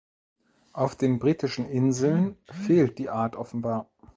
Auf den Britischen Inseln fehlt die Art offenbar.